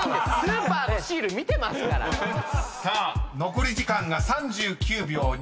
［残り時間が３９秒２］